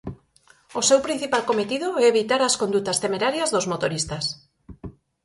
O seu principal cometido é evitar as condutas temerarias dos motoristas.